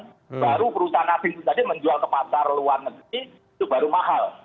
baru perusahaan asing itu tadi menjual ke pasar luar negeri itu baru mahal